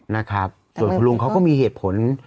นะครับโดยลุงเขาก็มีเหตุผล